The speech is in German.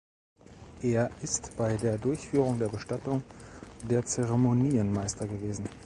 Er ist bei der Durchführung der Bestattung der Zeremonienmeister gewesen.